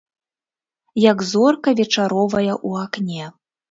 Як зорка вечаровая ў акне.